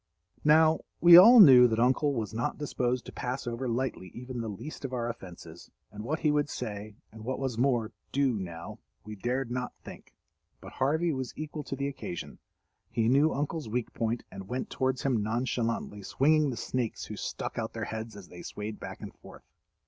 Now, we all knew that Uncle was not disposed to pass over lightly even the least of our offenses, and what he would say, and what was more, do now, we dared not think. But Harvey was equal to the occasion. He knew Uncle's weak point, and went towards him nonchalantly swinging the snakes who stuck out their heads as they swayed back and forth.